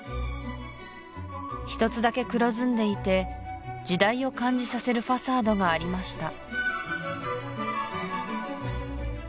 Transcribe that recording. １つだけ黒ずんでいて時代を感じさせるファサードがありました